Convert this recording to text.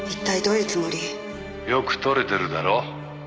「よく撮れてるだろ。